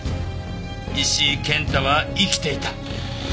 石井健太は生きていた。